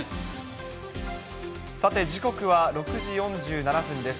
さて、時刻は６時４７分です。